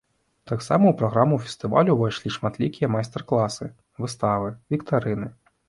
Таксама ў праграму фестывалю ўвайшлі шматлікія майстар-класы, выставы, віктарыны.